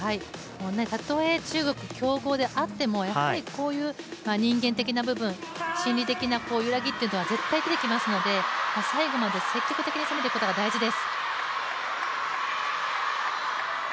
たとえ中国強豪であっても、こういう人間的な部分、心理的な揺らぎというのは絶対出てきますので、最後まで積極的に攻めていくことが大事です。